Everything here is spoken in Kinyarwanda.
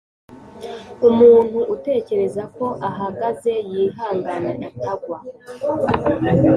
Umuntu utekereza ko ahagaze yihangane atagwa